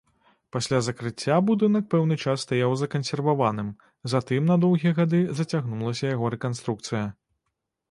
Пасля закрыцця будынак пэўны час стаяў закансерваваным, затым на доўгія гады зацягнулася яго рэканструкцыя.